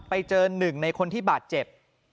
ไปเจอ๑ในคนที่บาดเจ็บ